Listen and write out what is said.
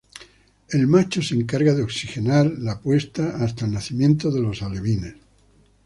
El macho se encarga de oxigenar la puesta hasta el nacimiento de los alevines.